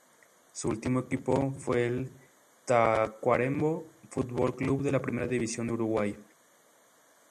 Su último equipo fue el Tacuarembó Fútbol Club de la Primera División de Uruguay.